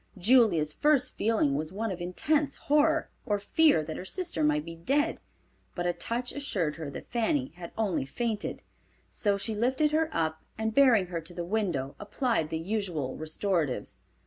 Julia's first feeling was one of intense horror, or fear her sister might be dead, but a touch assured her that Fanny had only fainted. So she lifted her up, and bearing her to the window applied the usual restoratives.